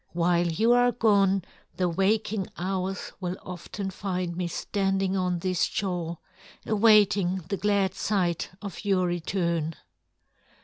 While you are gone, the waking hours will often find me standing on this shore, awaiting the glad sight of your return."